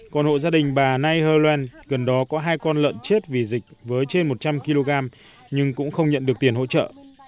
còn hộ gia đình bà nai hơ loen gần đó có hai con lợn chết vì dịch với trên một trăm linh kg nhưng cũng không nhận được tiền hỗ trợ